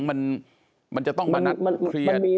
มันจะต้องมานัดเคลียร์